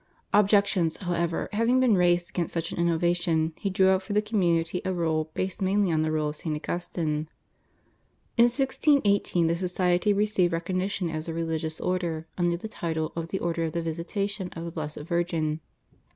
Objections, however, having been raised against such an innovation, he drew up for the community a rule based mainly on the rule of St. Augustine. In 1618 the society received recognition as a religious order under the title of the Order of the Visitation of the Blessed Virgin.